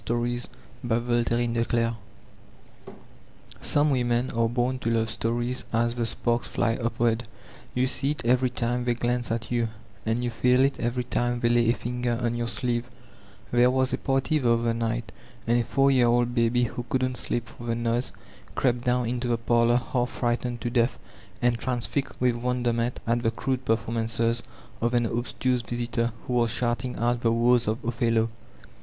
The Heart of Ang; iolillo SOME women are born to love stories as the sparks fly upward. Yoo see it every time they glance at you» and you feel it every time they lay a fioger on your sleeve There was a party the other night» and a four year old baby who couldn't sleep for the noise crept down into the parlor half frightened to death and transfixed with wonderment at the crude perfonnanoes of an obtuse visitor who was shouting out the woes of Othello.